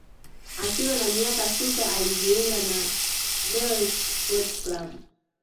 Akiwa na miaka sita alijinga na Newells sport club